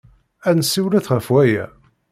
Ad nessiwlet ɣef waya.